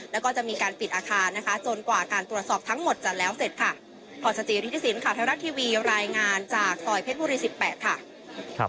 แล้วก็จะมีการปิดอาคารนะคะจนกว่าการตรวจสอบทั้งหมดจะแล้วเสร็จค่ะ